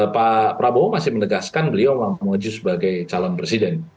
pak prabowo masih menegaskan beliau mau maju sebagai calon presiden